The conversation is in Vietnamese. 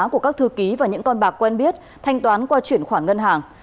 của các thư ký và những con bạc quen biết thanh toán qua chuyển khoản ngân hàng